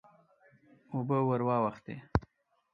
اوبه ور واوښتې.